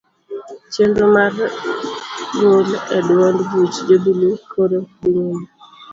Chenro mar gol e duond buch jubilee koro dhi nyime.